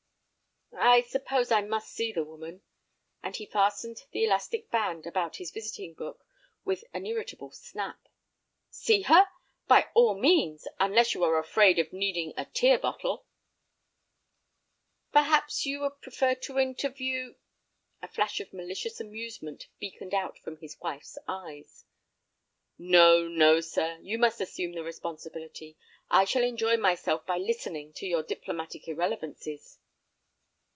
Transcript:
"I suppose I must see the woman," and he fastened the elastic band about his visiting book with an irritable snap. "See her? By all means, unless you are afraid of needing a tear bottle." "Perhaps you would prefer to interview—" A flash of malicious amusement beaconed out from his wife's eyes. "No, no, sir, you must assume the responsibility. I shall enjoy myself by listening to your diplomatic irrelevances."